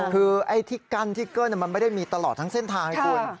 คือไอ้ที่กั้นที่เกิ้ลมันไม่ได้มีตลอดทั้งเส้นทางให้คุณ